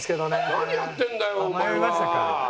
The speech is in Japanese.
何やってんだよ